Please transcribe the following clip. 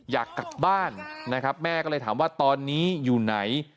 อยากกลับบ้านนะครับแม่ก็เลยถามว่าตอนนี้อยู่ไหน